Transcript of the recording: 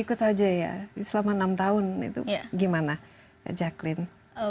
ikut aja ya selama enam tahun itu gimana jacqueline